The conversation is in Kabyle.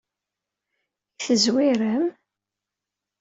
I tezwirem?